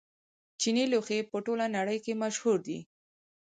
چیني لوښي په ټوله نړۍ کې مشهور دي.